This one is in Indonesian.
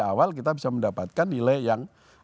awal kita bisa mendapatkan nilai yang